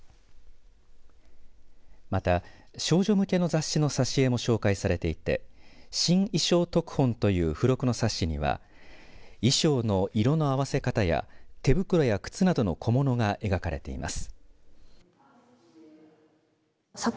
また少女向けの雑誌の挿絵も紹介されていて新衣装読本という付録の冊子には衣装の色の合わせ方や手袋や靴などの小物が描かれています。